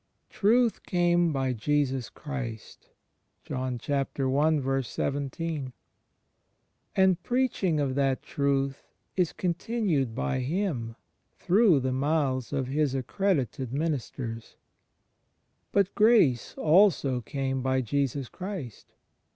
"Truth ... came by Jesus Christ";^ and preaching of that Truth is continued by Him through the mouths of His accredited ministers. But "Grace" also "came by Jesus Christ."